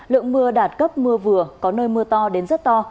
lượng mưa đạt cấp mưa vừa có nơi mưa to đến rất to